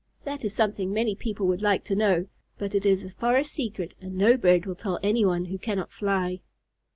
That is something many people would like to know, but it is a forest secret, and no bird will tell anyone who cannot fly.